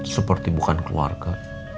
seperti bukan keluarga